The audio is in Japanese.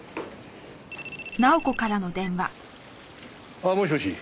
ああもしもし？